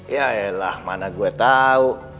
yaelah mana gue tau